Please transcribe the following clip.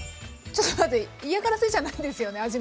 ちょっと待って嫌がらせじゃないですよね？